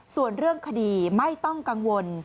ส่วนเรื่องคดีไม่ต้องกังวล